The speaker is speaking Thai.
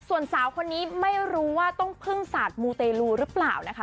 ส่วนสาวคนนี้ไม่รู้ว่าต้องพึ่งศาสตร์มูเตลูหรือเปล่านะคะ